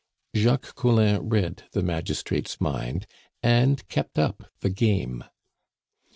Jacques Collin read the magistrate's mind, and kept up the game.